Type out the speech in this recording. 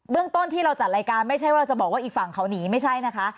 เรื่องต้นที่เราจัดรายการไม่ใช่ว่าจะบอกว่าอีกฝั่งเขาหนีไม่ใช่นะคะ